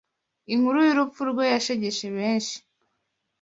inkuru y’urupfu rwe yashegeshe benshi